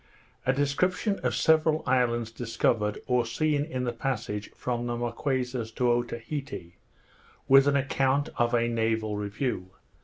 _A Description of several Islands discovered, or seen in the Passage from the Marquesas to Otaheite; with an Account of a Naval Review.